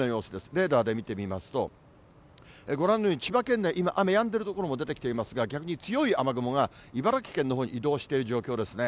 レーダーで見てみますと、ご覧のように千葉県内、今、雨やんでいる所も出てきていますが、逆に強い雨雲が茨城県のほうに移動している状況ですね。